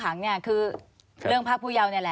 แล้วเขาสร้างเองว่าห้ามเข้าใกล้ลูก